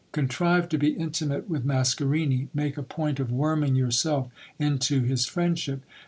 Contrive to be intimate with Mascarini ; make a point of worming yourself into his friendship.